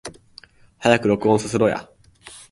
早く録音させろや